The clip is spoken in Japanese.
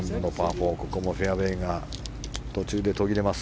４ここもフェアウェーが途中で途切れます。